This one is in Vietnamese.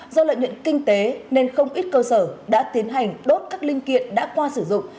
do lợi nhuận kinh tế nên không ít cơ sở đã tiến hành đốt các linh kiện đã qua sử dụng